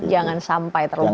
jangan sampai terlupakan